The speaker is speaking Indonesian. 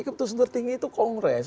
keputusan tertinggi itu kongres